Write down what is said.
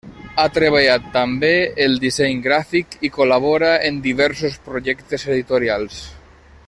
Ha treballat, també, el disseny gràfic i col·labora en diversos projectes editorials.